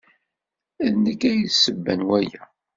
D nekk ay d ssebba n waya.